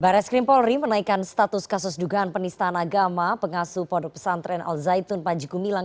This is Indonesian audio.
bareskrim polri menaikkan status kasus dugaan penistaan agama pengasuh produk pesantren al zaitun panjigu milang